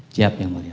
siap yang mulia